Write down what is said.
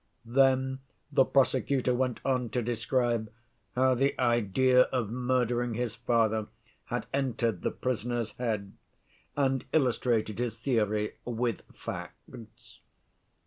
Then the prosecutor went on to describe how the idea of murdering his father had entered the prisoner's head, and illustrated his theory with facts.